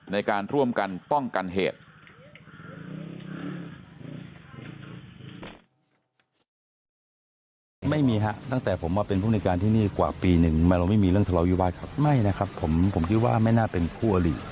ในการร่วมกันป้องกันเหตุ